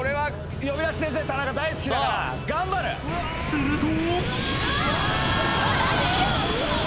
［すると］